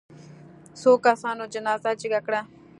څو کسانو جنازه جګه کړه.